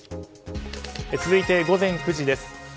続いて、午前９時です。